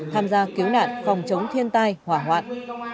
tham gia cứu nạn phòng chống thiên tai hỏa hoạn